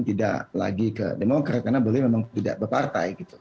tidak lagi ke demokrat karena beliau memang tidak berpartai gitu